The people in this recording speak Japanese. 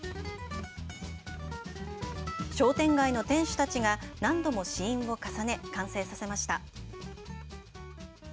商店街の店主たちが、何度も試飲を重ね、完成させました。